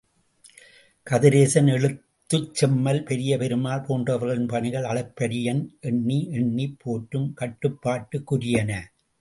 கதிரேசன், எழுத்துச்செம்மல் பெரியபெருமாள் போன்றவர்களின் பணிகள் அளப்பரியன் எண்ணி எண்ணிப் போற்றும் கடப்பாட்டுக்குரியன.